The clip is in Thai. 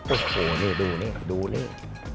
โอ้โหนี่ดูนี่ดูนี่